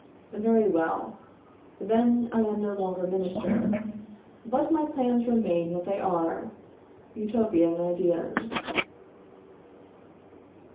Very well; then I am no longer Minister; but my plans remain what they are Utopian ideas.